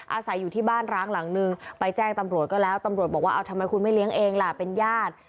อาศัยอยู่ที่บ้านร้างหลังนึงไปแจ้งตำรวจก็แล้วตำรวจบอกว่าเอาทำไมคุณไม่เลี้ยงเองล่ะเป็นญาติ